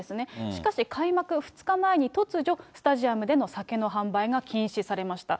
しかし、開幕２日前に突如、スタジアムでの酒の販売が禁止されました。